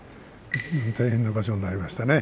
大変な場所になりましたね。